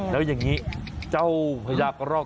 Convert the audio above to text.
แล้วยังงี้เจ้าพญากรอกตัวนี้